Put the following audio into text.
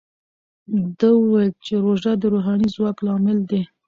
ده وویل چې روژه د روحاني ځواک لامل دی.